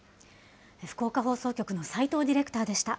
福岡放送局の斉藤ディレクターでした。